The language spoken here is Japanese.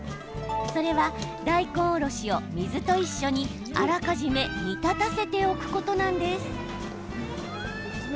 それは、大根おろしを水と一緒にあらかじめ煮立たせておくことなんです。